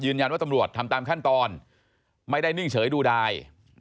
ตำรวจทำตามขั้นตอนไม่ได้นิ่งเฉยดูดาย